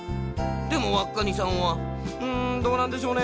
でもわっカニさんは「うんどうなんでしょうね。